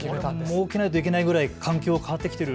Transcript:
設けなきゃいけないくらい環境が変わってきている？